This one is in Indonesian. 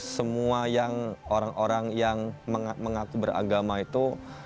semua orang orang yang mengaku beragama itu